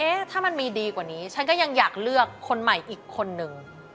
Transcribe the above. ถ้ามันมีดีกว่านี้ฉันก็ยังอยากเลือกคนใหม่อีกคนนึง